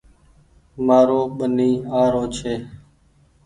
مآرو ٻني آ رو ڇي